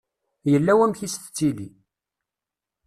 Yella wamek i s-tettili.